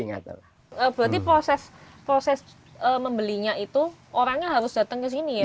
berarti proses membelinya itu orangnya harus datang ke sini ya